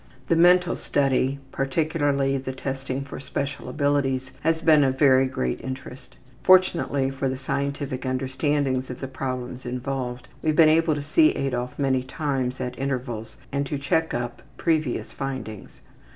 The mental study, particularly the testing for special abilities, has been of very great interest. Fortunately for the scientific understandings of the problems involved we have been able to see Adolf many times at intervals and to check up previous findings.